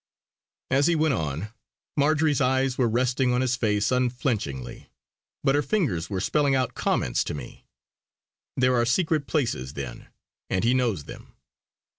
As he went on, Marjory's eyes were resting on his face unflinchingly, but her fingers were spelling out comments to me. "There are secret places, then; and he knows them.